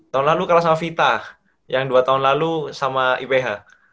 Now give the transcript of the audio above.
tahun lalu kalah sama vita yang dua tahun lalu sama iph